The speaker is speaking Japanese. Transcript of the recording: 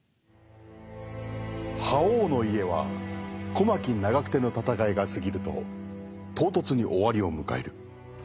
「覇王の家」は小牧・長久手の戦いが過ぎると唐突に終わりを迎える。